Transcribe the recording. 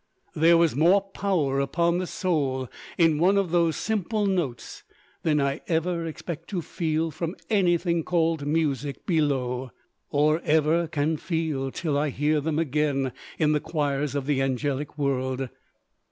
There was more power upon the soul in one of those simple notes than I ever expect to feel from anything called music below, or ever can feel till I hear them again in the choirs of the angelic world.